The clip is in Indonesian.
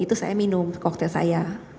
lalu saya tapi yang saya ingat waktu saya menunggu itu